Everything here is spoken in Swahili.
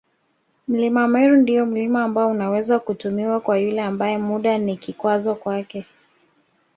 Mlima Meru ndio mlima ambao unaweza kutumiwa kwa yule ambae muda ni kikwazo kwake